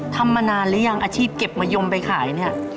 ทำมานานหรือยังอาชีพเก็บมะยมไปขายเนี่ย